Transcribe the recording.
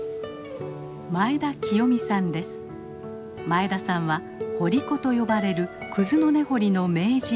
前田さんは「掘り子」と呼ばれるクズの根掘りの名人。